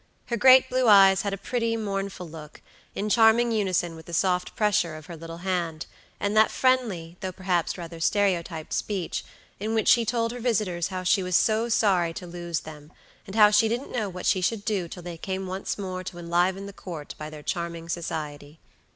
Her great blue eyes had a pretty, mournful look, in charming unison with the soft pressure of her little hand, and that friendly, though perhaps rather stereotyped speech, in which she told her visitors how she was so sorry to lose them, and how she didn't know what she should do till they came once more to enliven the court by their charming society.